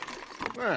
ああ。